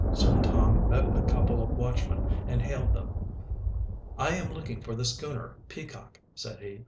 Soon Tom met a couple of watchmen and hailed them. "I am looking for the schooner Peacock," said he.